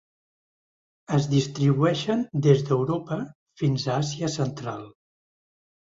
Es distribueixen des d'Europa fins a Àsia central.